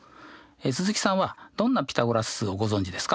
鈴木さんはどんなピタゴラス数をご存じですか？